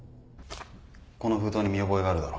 この封筒に見覚えがあるだろ？